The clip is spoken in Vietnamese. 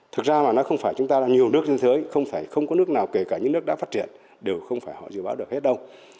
thực ra là nói không phải chúng ta là nhiều nước trên thế giới không phải không có nước nào kể cả những nước đã phát triển đều không phải họ dự báo được hết đâu